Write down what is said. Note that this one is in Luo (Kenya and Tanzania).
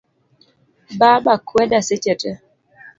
Baba kweda seche tee.